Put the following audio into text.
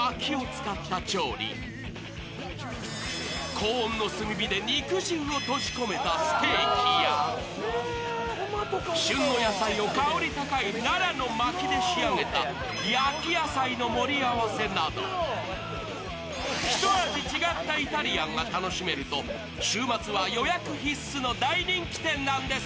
高温の炭火で肉汁を閉じ込めたステーキや旬の野菜を香り高いナラのまきで仕上げた焼き野菜の盛り合わせなどひと味違ったイタリアンが楽しめると、週末は予約必須の大人気店なんです。